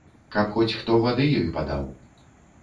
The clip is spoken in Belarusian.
Каб хоць хто вады ёй падаў.